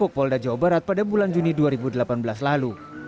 mereka berada di jawa barat pada bulan juni dua ribu delapan belas lalu